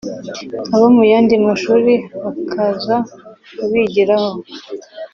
abo mu yandi mashuri bakaza kubigiraho